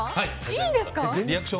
いいんですか？